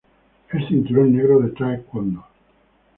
Es cinturón negro en Tae Kwon Do.